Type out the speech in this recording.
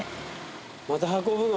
また運ぶの？